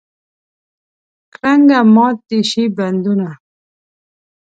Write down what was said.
کرنګه مات دې شي بندونه.